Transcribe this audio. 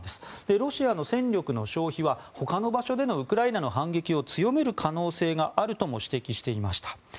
ロシアの戦力の消費は他の場所でのウクライナの反撃を強める可能性があるとも指摘していました。